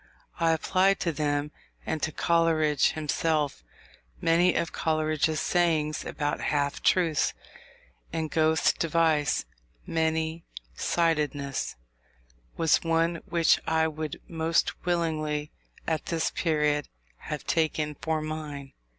I applied to them, and to Coleridge himself, many of Coleridge's sayings about half truths; and Goethe's device, "many sidedness," was one which I would most willingly, at this period, have taken for mine.